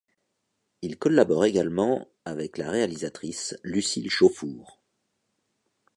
Il collabore également avec la réalisatrice Lucile Chaufour.